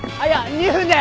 ２分で！